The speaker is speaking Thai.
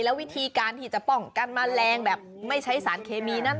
วิธีการที่จะป้องกันแมลงแบบไม่ใช้สารเคมีนั้น